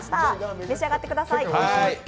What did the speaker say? お召し上がりください。